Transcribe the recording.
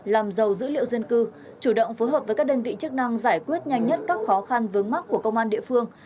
làm giàu dữ liệu dân cư chủ động phối hợp với các đơn vị chức năng giải quyết nhanh nhất các khó khăn vướng mắt của công an địa phương